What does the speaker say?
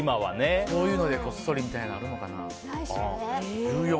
そういうのでこっそりみたいなのあるのかな。